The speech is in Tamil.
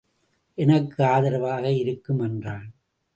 எனக்கு ஆதரவாக இருக்கும் என்றான்.